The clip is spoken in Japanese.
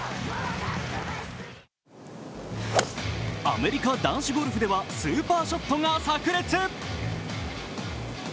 アメリカ男子ゴルフではスーパーショットがさく裂。